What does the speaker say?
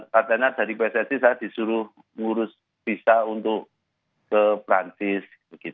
katanya dari pssi saya disuruh ngurus visa untuk ke perancis